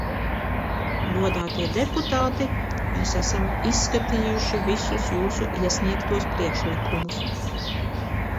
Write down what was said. Godātie deputāti, mēs esam izskatījuši visus jūsu iesniegtos priekšlikumus.